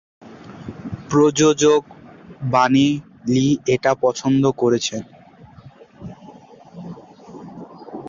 প্রযোজক Bunny Lee এটা পছন্দ করছেন।